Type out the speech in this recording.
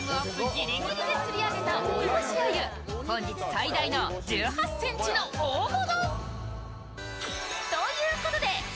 ぎりぎりで釣り上げた追い星鮎本日最大の１８ｃｍの大物。